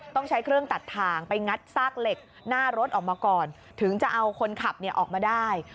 ต้องใช้เครื่องตัดถ่างไปงัดซากเหล็กหน้ารถออกมาก่อนถึงจะเอาคนขับออกมาได้